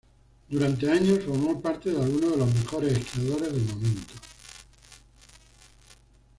Durante años formó parte de algunos de los mejores esquiadores del momento.